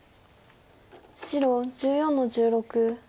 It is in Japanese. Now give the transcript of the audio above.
白１４の十六。